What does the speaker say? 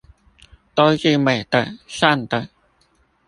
都是美的善的